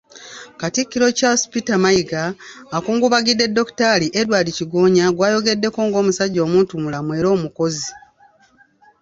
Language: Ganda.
Katikkiro Charles Peter Mayiga, akungubagidde Dokitaali Edward Kigonya gw'ayogeddeko ng'omusajja omuntumulamu era omukozi.